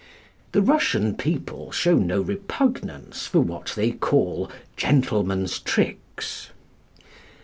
The Russian people show no repugnance for what they call "gentlemen's tricks."